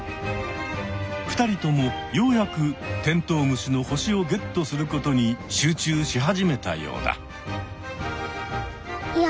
２人ともようやくテントウムシの星をゲットすることに集中し始めたようだ。